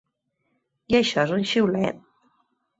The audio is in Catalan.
I això és el xiulet?